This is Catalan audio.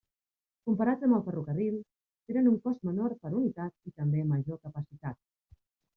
Comparats amb el ferrocarril, tenen un cost menor per unitat i també major capacitat.